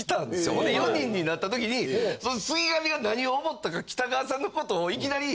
ほんで４人になった時にそのすぎがみが何を思ったかきたがわさんのことをいきなり。